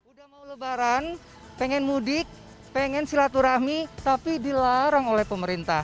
udah mau lebaran pengen mudik pengen silaturahmi tapi dilarang oleh pemerintah